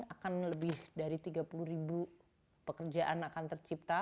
akan lebih dari tiga puluh ribu pekerjaan akan tercipta